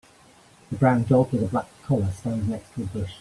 A brown dog with a black collar stands next to a bush.